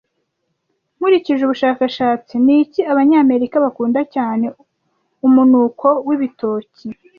Nkurikije ubushakashatsi niki Abanyamerika bakunda cyane umunuko wibitoki